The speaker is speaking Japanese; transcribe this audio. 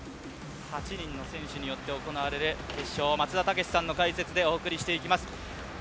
８人の選手によって行われる決勝、松田丈志さんの解説でお送りしていきます。